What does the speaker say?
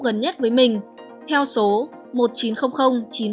gần nhất với mình theo số